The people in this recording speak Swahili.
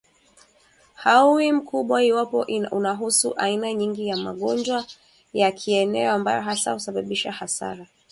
hauwi mkubwa iwapo unahusu aina nyingi za magonjwa ya kieneo ambayo hasa husababisha hasara